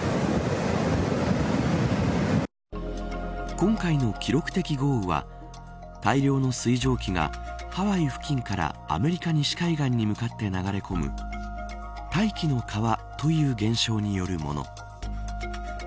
今回の記録的豪雨は大量の水蒸気がハワイ付近からアメリカ西海岸に向かって流れ込む大気の川という現象によるもの。